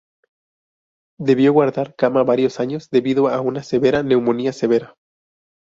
Debió guardar cama varios años debido a una severa neumonía severa.